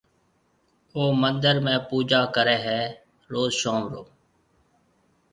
او مندر ۾ پُجا ڪريَ هيَ روز شوم رو۔